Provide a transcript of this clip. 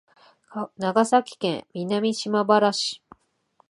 長崎県南島原市